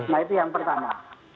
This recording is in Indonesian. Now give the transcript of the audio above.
nah itu yang pertama